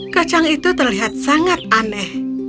kacang itu terlihat sangat aneh